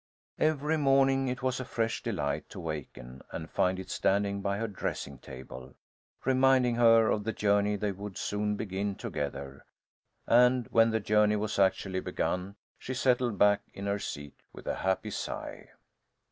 Every morning it was a fresh delight to waken and find it standing by her dressing table, reminding her of the journey they would soon begin together, and, when the journey was actually begun, she settled back in her seat with a happy sigh.